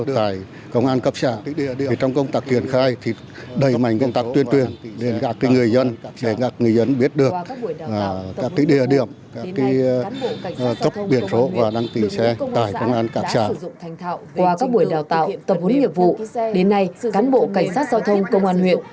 qua các buổi đào tạo tập huấn nghiệp vụ đến nay cán bộ cảnh sát giao thông công an huyện